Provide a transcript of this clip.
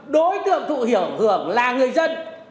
đối tượng thù hiểu hưởng là người dân